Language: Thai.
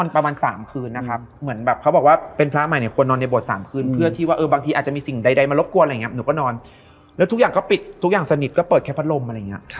เพื่อที่ว่าเออบางทีจะมีสิ่งไดดายมารบกวนอะหนูก็นอนแล้วทุกอย่างก็ปิดทุกอย่างสนิทก็เปิดแคปเฟิร์ตโลมอะไรยังไง